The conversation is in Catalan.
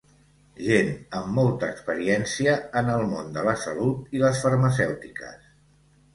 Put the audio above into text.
Gent amb molta experiència en el món de la salut i les farmacèutiques.